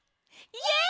イエーイ！